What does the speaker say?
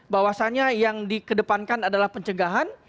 bahwasannya yang dikedepankan adalah pencegahan